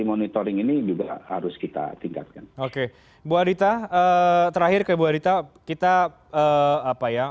monitoring ini juga harus kita tingkatkan oke bu adita terakhir ke bu adita kita apa ya